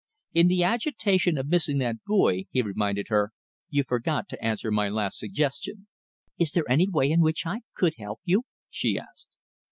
"In the agitation of missing that buoy," he reminded her, "you forgot to answer my last suggestion." "Is there any way in which I could help you?" she asked.